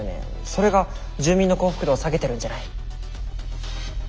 それが住民の幸福度を下げてるんじゃない？